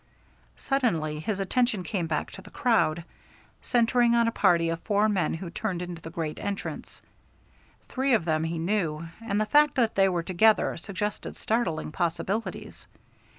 Suddenly his attention came back to the crowd, centring on a party of four men who turned into the great entrance. Three of them he knew, and the fact that they were together suggested startling possibilities.